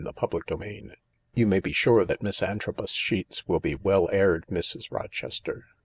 CHAPTER XXVI " You may be sure that Miss Antrobus's sheets will be well aired, Mrs. Rochester.